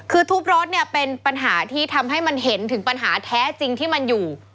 คือทุบรถเนี่ยเป็นปัญหาที่ทำให้มันเห็นถึงปัญหาแท้จริงที่มันอยู่